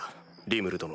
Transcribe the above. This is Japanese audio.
リムル殿。